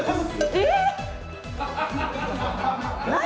えっ！？